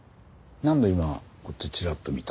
なんで今こっちチラッと見た？